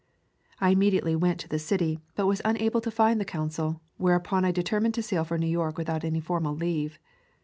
I immediately went to the city, but was un able to find the consul, whereupon I deter mined to sail for New York without any formal leave.